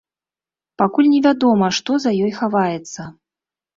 Пакуль невядома, што за ёй хаваецца.